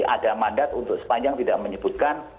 ada mandat untuk sepanjang tidak menyebutkan